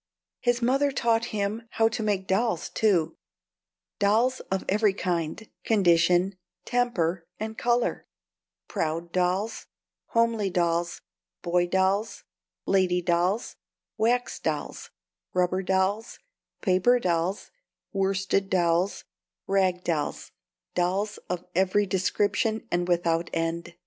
His mother taught him how to make dolls too, dolls of every kind, condition, temper, and color; proud dolls, homely dolls, boy dolls, lady dolls, wax dolls, rubber dolls, paper dolls, worsted dolls, rag dolls, dolls of every description and without end.